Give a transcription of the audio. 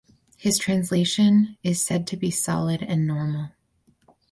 His translation is said to be solid and normal.